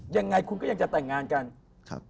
ยังไงคุณก็ยังจะแต่งงานกันครับ